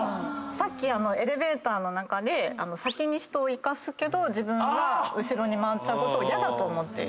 さっきエレベーターの中で先に人を行かすけど自分は後ろに回っちゃうことをヤダと思ってる。